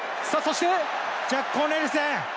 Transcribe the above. ジャック・コーネルセン。